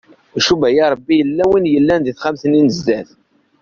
Icebba-yi Ṛebbi yella wi yellan di taxxamt-nni n zdat.